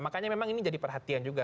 makanya memang ini jadi perhatian juga